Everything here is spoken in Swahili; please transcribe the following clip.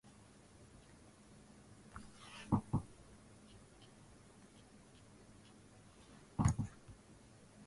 congo mwandishi wetu reuben lokumbuka